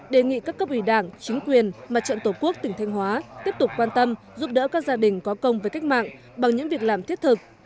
đề nghị các cấp ủy đảng chính quyền mặt trận tổ quốc tỉnh thanh hóa tiếp tục quan tâm giúp đỡ các gia đình có công với cách mạng bằng những việc làm thiết thực